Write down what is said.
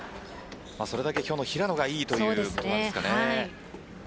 それだけ今日の平野がいいということですかね。